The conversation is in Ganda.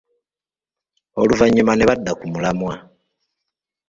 Oluvannyuma ne badda ku mulamwa.